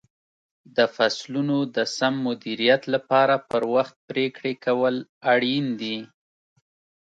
د فصلونو د سم مدیریت لپاره پر وخت پرېکړې کول اړین دي.